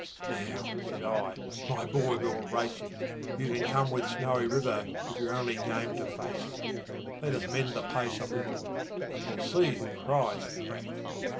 'Now,' said I, 'my boy, we'll race it. You can come with Snowy River if you're only game to face it, Let us mend the pace a little and we'll see who cries a crack.'